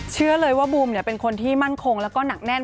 เชื่อเลยว่าบูมเป็นคนที่มั่นคงแล้วก็หนักแน่น